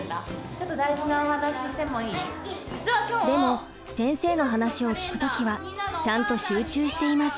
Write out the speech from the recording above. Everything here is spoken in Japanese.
でも先生の話を聞く時はちゃんと集中しています。